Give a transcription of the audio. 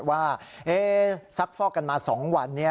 ว่าสักฟอกกันมา๒วัน